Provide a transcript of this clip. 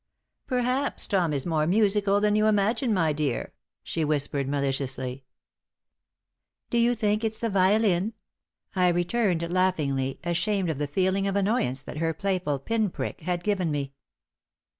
"Perhaps Tom is more musical than you imagine, my dear," she whispered, maliciously. "Do you think it's the violin?" I returned, laughingly, ashamed of the feeling of annoyance that her playful pin prick had given me.